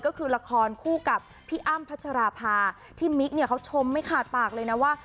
ก็คือละครคู่กับพี่อ้ำพัชราภาพี่มิ๊กเนี่ยเขาชมไม่ขาดปากเลยนะว่า